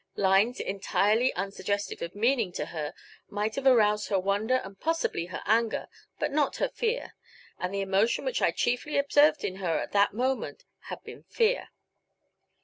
Lines entirely unsuggestive of meaning to her might have aroused her wonder and possibly her anger, but not her fear; and the emotion which I chiefly observed in her at that moment had been fear.